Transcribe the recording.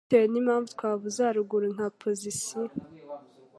bitewe n'impamvu twavuze haruguru nka pozisiyo